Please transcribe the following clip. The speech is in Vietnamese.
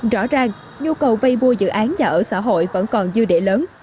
rõ ràng nhu cầu vay mua dự án nhà ở xã hội vẫn còn dư địa lớn